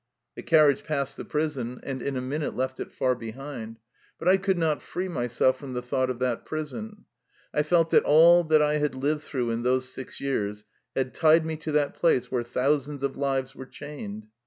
The carriage passed the prison, and in a minute left it far behind. But I could not free myself from the thought of that prison. I felt that all that I had lived through in those six years had tied me to that place where thou sands of lives were chained.